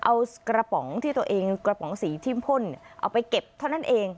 เอากระป๋องที่ตัวเองกระป๋องสีที่พ่นเอาไปเก็บเท่านั้นเอง